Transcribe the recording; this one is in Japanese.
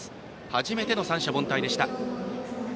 初めての三者凡退でした。